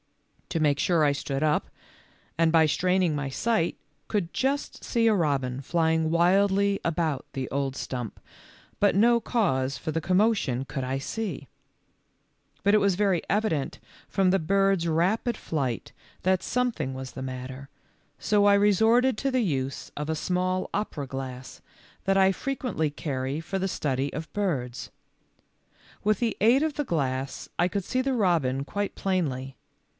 To make sure I stood up, and by straining my sight could just see a robin flying wildly about the old stump, but no cause for the com motion could I see. But it was very evident 48 THE LITTLE FORESTERS. from the bird's rapid flight that something was the matter, so I resorted to the use of a small opera glass that"I frequently carry for the study of birds. With the aid of the glass I could see the robin quite plainly.